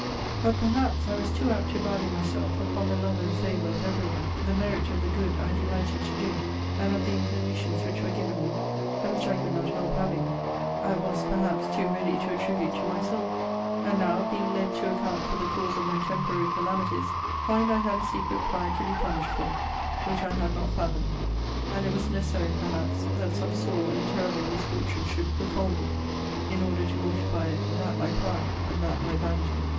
But, perhaps, I was too apt to value myself upon the love and favour of every one: the merit of the good I delighted to do, and of the inclinations which were given me, and which I could not help having, I was, perhaps, too ready to attribute to myself; and now, being led to account for the cause of my temporary calamities, find I had a secret pride to be punished for, which I had not fathomed: and it was necessary, perhaps, that some sore and terrible misfortunes should befall me, in order to mortify that my pride, and that my vanity.